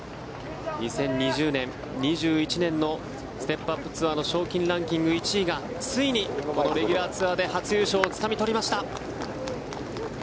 ２０２０年、２１年のステップ・アップ・ツアーの賞金ランキング１位がついにこのレギュラーツアーで初優勝をつかみ取りました。